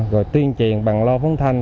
rồi tuyên truyền bằng lo phóng thanh